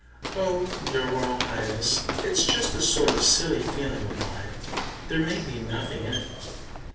"Oh, your Royal Highness, it's just a sort of silly feeling of mine. There may be nothing in it."